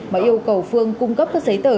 mà yêu cầu phương cung cấp các giấy tờ